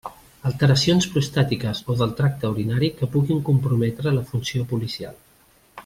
Alteracions prostàtiques o del tracte urinari que puguin comprometre la funció policial.